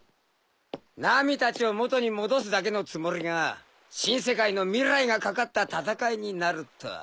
ナミたちを元に戻すだけのつもりが新世界の未来が懸かった戦いになるとは。